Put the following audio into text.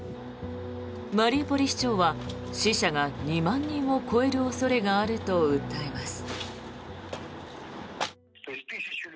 マリウポリ市長は死者が２万人を超える恐れがあると訴えます。